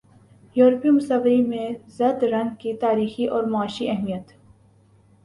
یورپی مصوری میں زرد رنگ کی تاریخی اور معاشی اہمیت